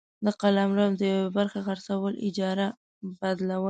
د قلمرو د یوې برخي خرڅول ، اجاره ، بدلول،